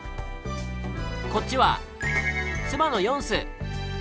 こっちは妻のヨンス。